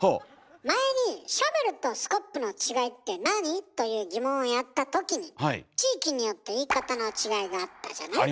前に「シャベルとスコップの違いってなに？」という疑問をやった時に地域によって言い方の違いがあったじゃない？